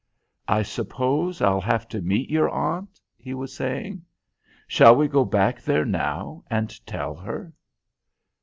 "I suppose I'll have to meet your aunt?" he was saying. "Shall we go back there now, and tell her?"